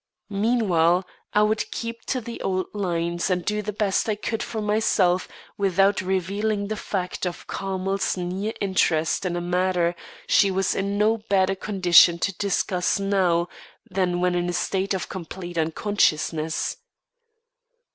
Meanwhile, I would keep to the old lines and do the best I could for myself without revealing the fact of Carmel's near interest in a matter she was in no better condition to discuss now than when in a state of complete unconsciousness.